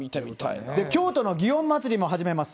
京都の祇園祭も始めます。